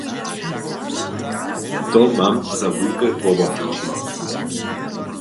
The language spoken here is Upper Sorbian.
To mam za wulke wobohaćenje.